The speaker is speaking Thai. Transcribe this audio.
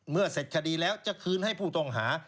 เสร็จคดีแล้วจะคืนให้ผู้ต้องหา